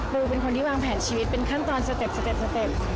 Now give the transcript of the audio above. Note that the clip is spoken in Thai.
เป็นคนที่วางแผนชีวิตเป็นขั้นตอนสเต็ปสเต็ปสเต็ป